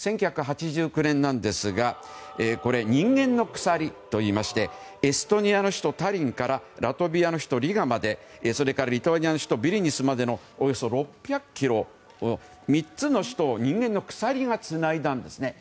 １９８９年なんですが人間の鎖といいましてエストニアの首都タリンからラトビアの首都リガまでそれからリトアニアの首都ビリニュスまでのおよそ６００ｋｍの３つの首都を人間の鎖がつないだんですね。